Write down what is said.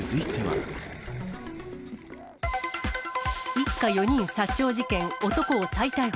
一家４人殺傷事件、男を再逮捕。